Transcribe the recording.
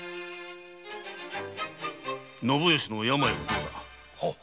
信良の病はどうだ？